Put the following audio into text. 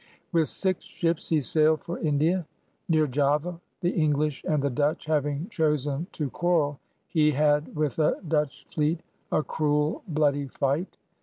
With six ships he sailed for India. Near Java, the English and the Dutch having chosen to quarrel, he had with a Dutch fleet "a cruel, bloody fight.